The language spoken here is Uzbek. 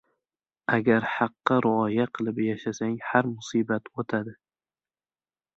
• Agar haqqa rioya qilib yashasang har musibat o‘tadi.